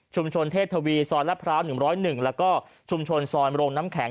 ชุมชนเทศทวีซอยละพร้าวหนึ่งร้อยหนึ่งแล้วก็ชุมชนซอยมรมน้ำแข็ง